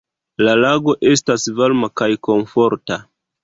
"La lago estas varma kaj komforta."